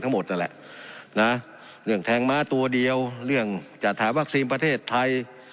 นั่นแหละนะเรื่องแทงม้าตัวเดียวเรื่องจัดหาวัคซีนประเทศไทย